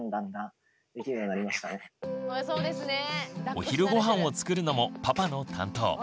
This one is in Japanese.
お昼ごはんを作るのもパパの担当。